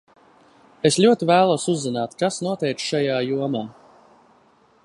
Es ļoti vēlos uzzināt, kas notiek šajā jomā.